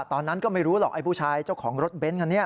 ตอนนั้นก็ไม่รู้หรอกไอ้ผู้ชายเจ้าของรถเบ้นคันนี้